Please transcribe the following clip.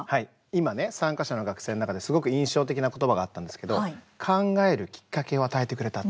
今、参加者の学生の中ですごく印象的なことばがあったんですけど考えるきっかけを与えてくれた。